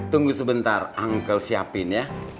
tunggu sebentar angkel siapin ya